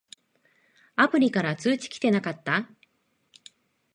アプリから通知きてなかった？